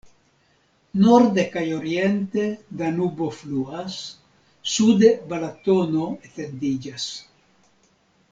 Norde kaj oriente Danubo fluas, sude Balatono etendiĝas.